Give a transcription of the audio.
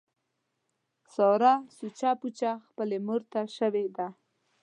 ساره سوچه پوچه خپلې مورته شوې ده.